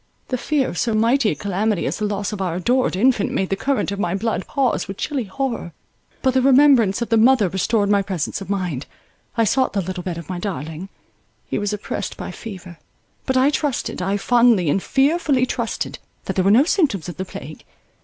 The fear of so mighty a calamity as the loss of our adored infant made the current of my blood pause with chilly horror; but the remembrance of the mother restored my presence of mind. I sought the little bed of my darling; he was oppressed by fever; but I trusted, I fondly and fearfully trusted, that there were no symptoms of the plague.